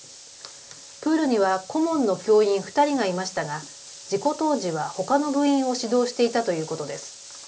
プールには顧問の教員２人がいましたが事故当時はほかの部員を指導していたということです。